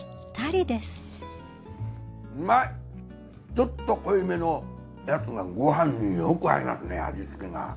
ちょっと濃い目のやつがご飯によく合いますね味付けが。